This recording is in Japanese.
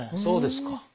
そうですか。